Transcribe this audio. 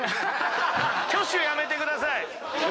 挙手やめてください。